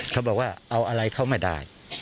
เขาบอกว่าเอาอะไรเขาไม่ได้